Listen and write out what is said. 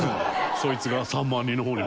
そいつが３万人の方に。